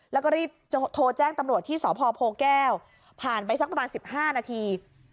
แล้วก็รีบโทรแจ้งตำรวจที่สพโพแก้วผ่านไปสักประมาณ๑๕นาที